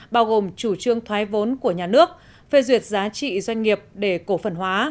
bao gồm chủ trương thoái vốn của nhà nước phê duyệt giá trị doanh nghiệp để cổ phần hóa